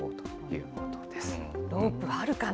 ロープがあるかな？